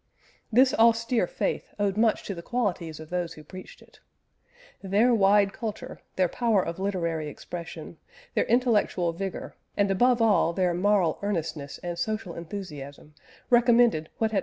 This austere faith owed much to the qualities of those who preached it. Their wide culture, their power of literary expression, their intellectual vigour, and above all their moral earnestness and social enthusiasm recommended what had otherwise seemed a barren and unpromising creed.